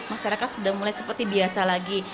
masyarakat sudah mulai seperti biasa lagi